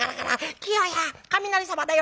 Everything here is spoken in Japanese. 『清や雷様だよ。